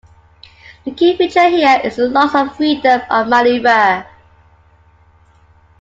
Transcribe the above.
The key feature here is the loss of freedom of maneuver.